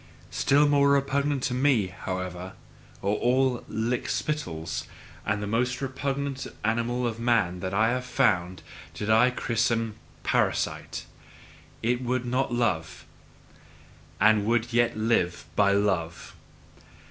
Still more repugnant unto me, however, are all lickspittles; and the most repugnant animal of man that I found, did I christen "parasite": it would not love, and would yet live by love.